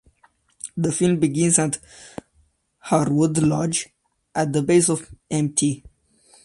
The film begins at Harwood Lodge at the base of Mt.